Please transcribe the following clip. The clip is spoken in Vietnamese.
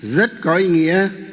rất có ý nghĩa